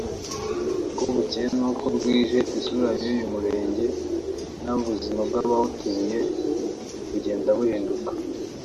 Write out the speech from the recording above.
uko bukeye n’uko bwije isura y’uyu murenge n’ubuzima bw’abawutuye bugenda buhinduka